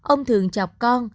ông thường chọc con